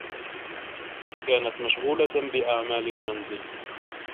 كانت مشغولة بأعمال المنزل.